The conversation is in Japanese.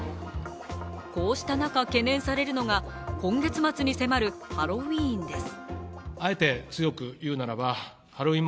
こうした中懸念されるのが今月末に迫るハロウィーンです。